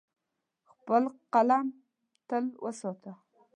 خپل قلم تل وساته.